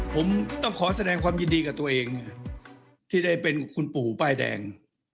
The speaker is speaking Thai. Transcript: ผมต้องขอแสดงความยินดีกับตัวเองที่ได้เป็นคุณปู่ป้ายแดง